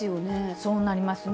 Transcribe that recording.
そうなりますね。